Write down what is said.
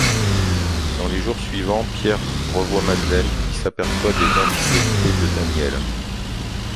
Dans les jours suivants, Pierre revoit Madeleine qui s'aperçoit des infidélités de Daniel.